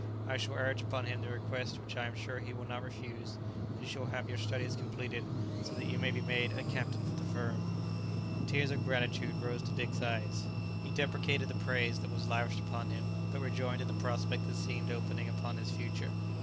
I shall urge upon him the request which I am sure he will not refuse, that you shall have your studies completed, so that you may be made a captain for the firm." Tears of gratitude rose to Dick's eyes. He deprecated the praise that was lavished upon him, but rejoiced in the prospect that seemed opening upon his future. Mrs.